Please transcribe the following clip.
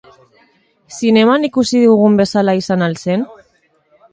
Zineman ikusi dugun bezala izan al zen?